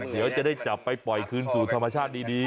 เดี๋ยวจะได้จับไปปล่อยคืนสู่ธรรมชาติดี